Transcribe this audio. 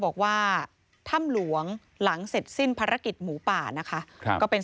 บอกว่าถ้ำหลวงหลังเสร็จสิ้นภารกิจหมูป่านะคะก็เป็น